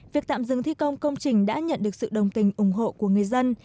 việc tạm dừng thi công công trình đã nhận được sự đồng tình ủng hộ của người dân